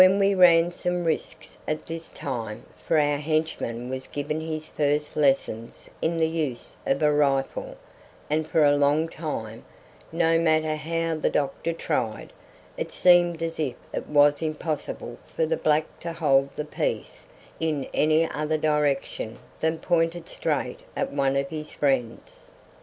We ran some risks at this time, for our henchman was given his first lessons in the use of a rifle, and for a long time, no matter how the doctor tried, it seemed as if it was impossible for the black to hold the piece in any other direction than pointed straight at one of his friends.